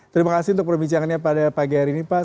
terima kasih untuk perbincangannya pada pagi hari ini pak